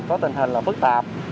có tình hình là phức tạp